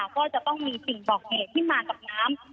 ก็จะต้องมีสิ่งบอกเหตุที่มากับน้ำ